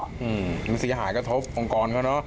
มันเสียหายกระทบองค์กรเขาเนอะ